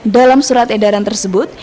dalam surat edaran tersebut